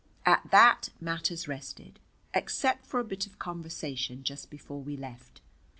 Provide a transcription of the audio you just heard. At that matters rested, except for a bit of conversation just before we left.